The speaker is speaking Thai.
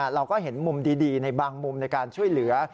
เราก็เห็นมุมดีในบางมุมในการช่วยเหลือ